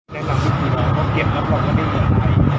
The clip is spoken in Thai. ด้านหลังวิธีบ้านเขาเก็บน้ำหล่องแล้วไม่เหงื่อใคร